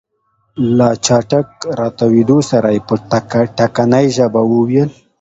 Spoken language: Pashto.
له چټک راتاوېدو سره يې په ټکنۍ ژبه وويل.